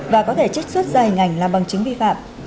và có thể trích xuất ra hình ảnh làm bằng chứng vi phạm